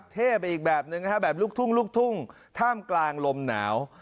เท่ไปอีกแบบหนึ่งแบบลุกทุ่งถ้ามกลางลมหนาว